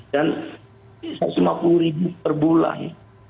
dan rp satu ratus lima puluh per bulan